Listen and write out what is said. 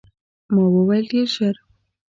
ما وویل، ډېر ژر.